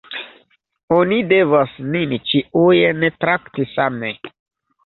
Oni devas nin ĉiujn trakti same.